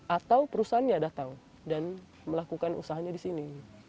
atau perusahaannya datang dan melakukan usahanya di sini